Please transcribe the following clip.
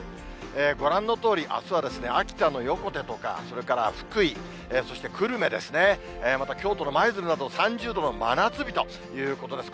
ご覧のとおり、あすは秋田の横手とか、それから福井、そして久留米ですね、また京都の舞鶴など、３０度の真夏日ということです。